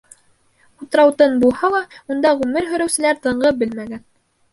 Утрау тын булһа ла, унда ғүмер һөрөүселәр тынғы белмәгән.